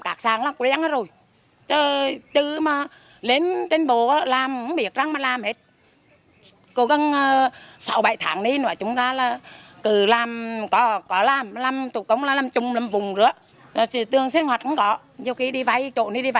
cuộc sống rơi vào khó khăn